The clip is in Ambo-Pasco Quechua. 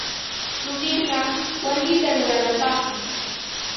Rumiqa wayita ruranapaqmi.